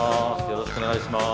よろしくお願いします。